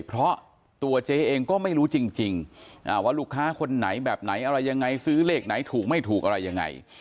เพราะตัวเจ๊เองก็ไม่รู้จริงว่าลูกค้าคนไหนแบบไหนอะไรยังไงซื้อเลขไหนถูกไม่ถูกอะไรยังไง